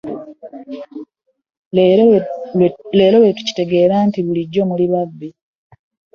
Leero lwe tukitegeera nti bulijjo muli babbi.